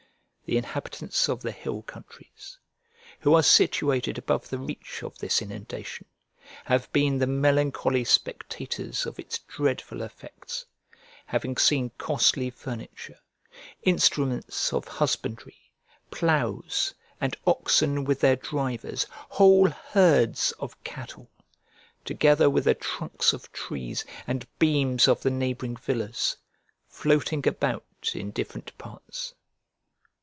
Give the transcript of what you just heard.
The inhabitants of the hill countries, who are situated above the reach of this inundation, have been the melancholy spectators of its dreadful effects, having seen costly furniture, instruments of husbandry, ploughs, and oxen with their drivers, whole herds of cattle, together with the trunks of trees, and beams of the neighbouring villas, floating about in different parts.